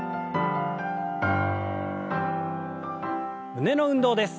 胸の運動です。